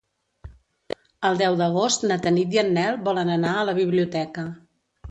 El deu d'agost na Tanit i en Nel volen anar a la biblioteca.